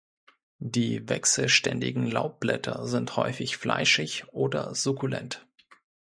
Die wechselständigen Laubblätter sind häufig fleischig oder sukkulent.